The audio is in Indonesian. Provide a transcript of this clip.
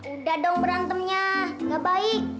udah dong berantemnya gak baik